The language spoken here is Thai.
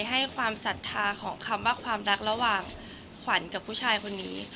ให้ความศรัทธาของคำว่าความรักระหว่างขวัญกับผู้ชายคนนี้